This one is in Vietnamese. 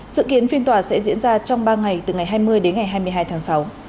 dự kiến phiên tòa sẽ diễn ra trong ba ngày từ ngày hai mươi đến ngày hai mươi hai tháng sáu